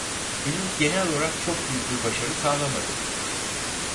Film genel olarak çok büyük bir başarı sağlamadı.